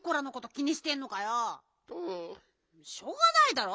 しょうがないだろ。